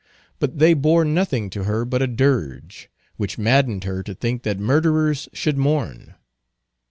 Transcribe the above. But they bore nothing to her but a dirge, which maddened her to think that murderers should mourn.